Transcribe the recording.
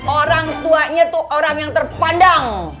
orang tuanya itu orang yang terpandang